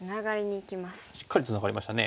しっかりツナがりましたね。